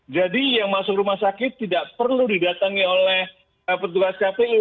jadi yang masuk rumah sakit tidak perlu didatangi oleh petugas kpu